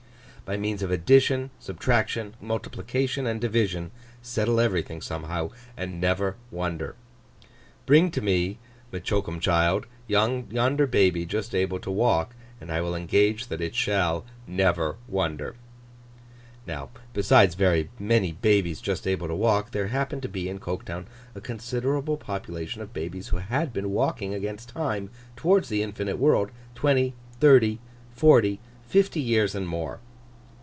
By means of addition, subtraction, multiplication, and division, settle everything somehow, and never wonder. Bring to me, says M'Choakumchild, yonder baby just able to walk, and I will engage that it shall never wonder. Now, besides very many babies just able to walk, there happened to be in Coketown a considerable population of babies who had been walking against time towards the infinite world, twenty, thirty, forty, fifty years and more.